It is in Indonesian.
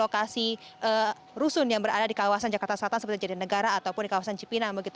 mereka juga berharap bahwa ini akan menjadi lokasi rusun yang berada di kawasan jakarta selatan seperti jadianegara ataupun di kawasan cipinang